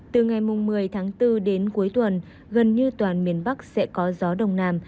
từ ngày một mươi tháng bốn đến cuối tuần gần như toàn miền bắc sẽ có gió đông nam